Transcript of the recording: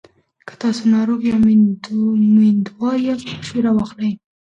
که تاسو ناروغ یا میندوار یاست، مشوره واخلئ.